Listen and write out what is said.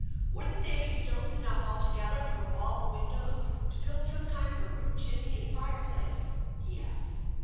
" Wouldn't there be stones enough all together from all the windows to build some kind of a rude chimney and fireplace ?" he asked.